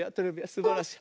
すばらしい。